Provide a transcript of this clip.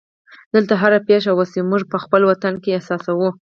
دلته هره پېښه وشي موږ یې په خپل وطن کې احساسوو.